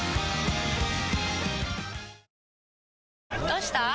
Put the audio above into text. どうした？